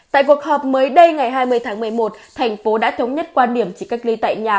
tại cuộc họp mới đây ngày hai mươi tháng một mươi một thành phố đã thống nhất quan điểm chỉ cách ly tại nhà